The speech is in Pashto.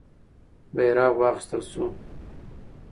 بیرغ واخیستل سو.